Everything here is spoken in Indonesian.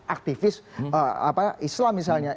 aktivis islam misalnya